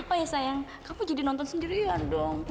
apa ya sayang kamu jadi nonton sendirian dong